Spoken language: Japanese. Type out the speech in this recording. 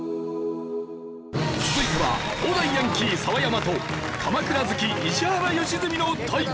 続いては東大ヤンキー澤山と鎌倉好き石原良純の対決。